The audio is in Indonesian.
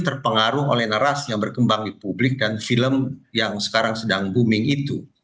terpengaruh oleh narasi yang berkembang di publik dan film yang sekarang sedang booming itu